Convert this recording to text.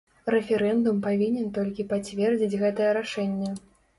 Рэферэндум павінен толькі пацвердзіць гэтае рашэнне.